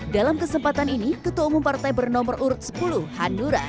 dalam kesempatan ini ketua umum partai bernomor urut sepuluh hanura